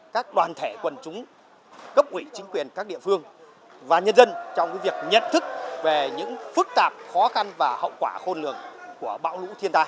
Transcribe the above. cấp quỹ chính quyền các địa phương và nhân dân trong việc nhận thức về những phức tạp khó khăn và hậu quả khôn lường của bão lũ thiên tai